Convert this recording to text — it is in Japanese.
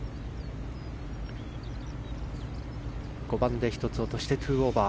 ５番で１つ落として２オーバー。